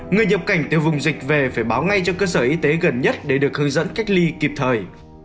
người nhập cảnh từ vùng dịch về phải báo ngay cho cơ sở y tế gần nhất để được hướng dẫn cách ly kịp thời